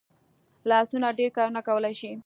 لاسونه ډېر کارونه کولی شي